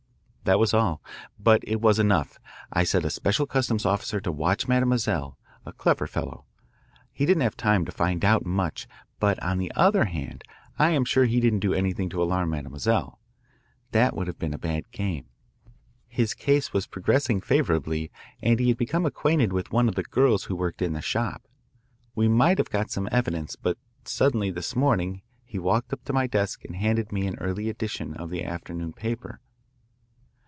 "That was all. But it was enough. I set a special customs officer to watch Mademoiselle, a clever fellow. He didn't have time to find out much, but on the other hand I am sure he didn't do anything to alarm Mademoiselle. That would have been a bad game. His case was progressing favourably and he had become acquainted with one of the girls who worked in the shop. We might have got some evidence, but suddenly this morning he walked up to my desk and handed me an early edition of an afternoon paper.